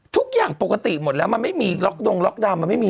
ทุกอย่างปกติหมดแล้วมันไม่มีล็อกดงล็อกดาวน์มันไม่มี